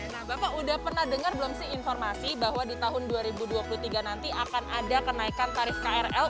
nah bapak udah pernah dengar belum sih informasi bahwa di tahun dua ribu dua puluh tiga nanti akan ada kenaikan tarif krl